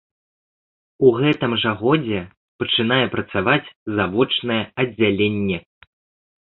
У гэтым жа годзе пачынае працаваць завочнае аддзяленне.